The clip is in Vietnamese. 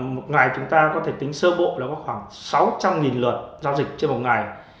một ngày chúng ta có thể tính sơ bộ là khoảng sáu trăm linh lượt giao dịch trên một ngày